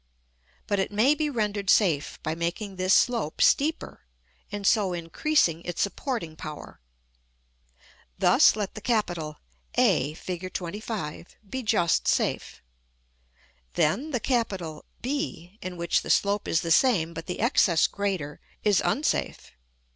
But it may be rendered safe by making this slope steeper, and so increasing its supporting power. [Illustration: Fig. XXV.] Thus let the capital a, Fig. XXV., be just safe. Then the capital b, in which the slope is the same but the excess greater, is unsafe.